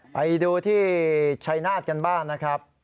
ไปดูที่ชัยนาธกันบ้างนะครับ